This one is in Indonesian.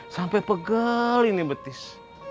sampai pegel ini betis